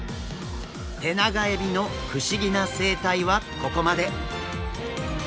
テナガエビの不思議な生態はここまで。